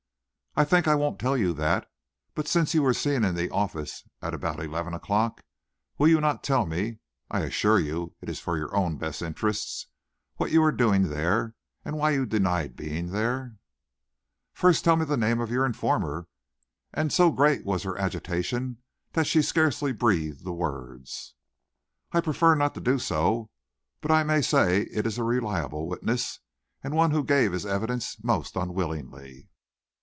"I think I won't tell you that; but since you were seen in the office at about eleven o'clock, will you not tell me, I assure you it is for your own best interests, what you were doing there, and why you denied being there?" "First tell me the name of your informer;" and so great was her agitation that she scarcely breathed the words. "I prefer not to do so, but I may say it is a reliable witness and one who gave his evidence most unwillingly."